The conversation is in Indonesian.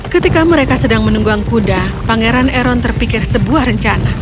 ketika mereka sedang menunggang kuda pangeran eron terpikir sebuah rencana